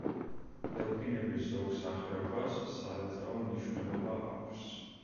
დელფინების ზოგ სახეობას სარეწაო მნიშვნელობა აქვს.